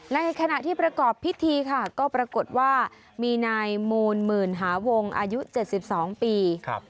ในขณะที่ประกอบพิธีค่ะก็ปรากฏว่ามีนายมูลหมื่นหาวงอายุ๗๒ปี